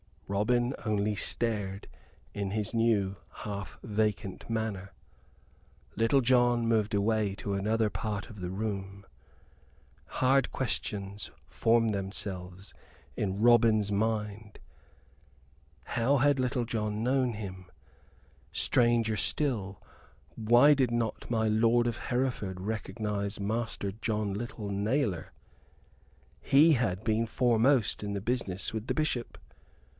Robin only stared in his new half vacant manner. Little John moved away to another part of the room. Hard questions formed themselves in Robin's mind how had Little John known him? Stranger still, why did not my lord of Hereford recognize Master John Little Nailor? He had been foremost in the business with the Bishop.